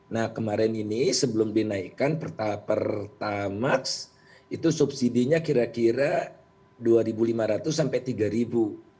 nah kemarin ini sebelum dinaikkan pertamax itu subsidinya kira kira rp dua lima ratus sampai rp tiga